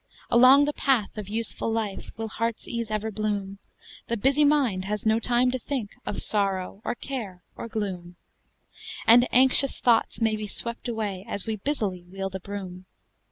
Along the path of a useful life, Will heart's ease ever bloom; The busy mind has no time to think Of sorrow, or care, or gloom; And anxious thoughts may be swept away, As we busily wield a broom.